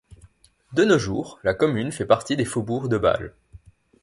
De nos jours, la commune fait partie des faubourgs de Bâle.